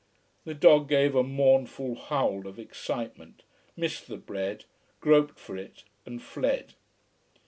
The dog gave a mournful howl of excitement, missed the bread, groped for it, and fled.